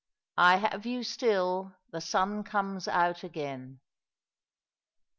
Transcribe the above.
"l HIVE YOU STILL, THE SUN COMES OUT AGAIN."